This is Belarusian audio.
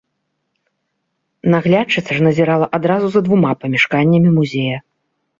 Наглядчыца ж назірала адразу за двума памяшканнямі музея.